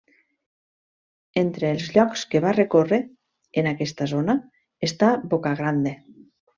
Entre els llocs que va recórrer en aquesta zona està Boca Grande.